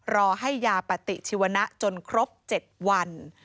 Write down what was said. รอให้ยาปฏิชีวนะจนครบ๗วัน